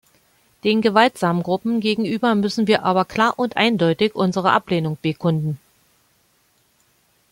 Den gewaltsamen Gruppen gegenüber müssen wir aber klar und eindeutig unsere Ablehnung bekunden.